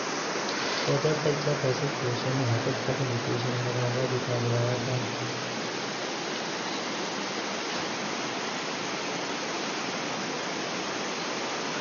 ہو دستہ کیہ پیسہ کی اوشونی ہتیت ختم بیتی اوشونی، مگم وا دی تان رویانتین خدمت کوریکو اوچے رویان ہو خوشئیکو یادی انگیتی ہو تسلی ہوئے کی ہو جم جم دوستان، رشتہ داران وا بیرو ہو ہیہ ضرورتو وختہ البت ہو اچی غیستی نوکونی